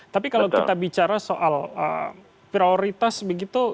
tapi kalau kita bicara soal prioritas begitu